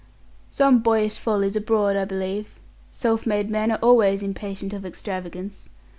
"Some boyish follies abroad, I believe; self made men are always impatient of extravagance.